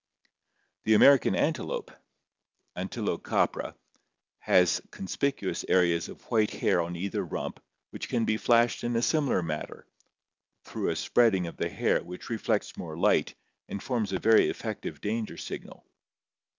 The American antelope {An tUocapra) have conspicuous areas of white hair on either rump which can be flashed in a similar manner through a spreading of the hair which reflects more light and forms a very effective danger signal.